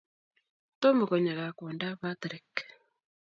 Tomo konyo gaa kwondoab patrick